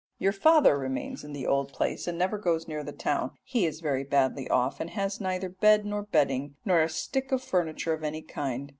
Your father remains in the old place, and never goes near the town; he is very badly off, and has neither bed nor bedding, nor a stick of furniture of any kind.